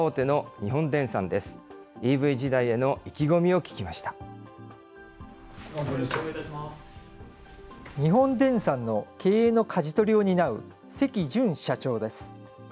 日本電産の経営のかじ取りを担う関潤社長です。